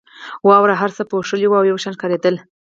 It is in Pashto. واورو هر څه پوښلي ول او یو شان ښکارېدل.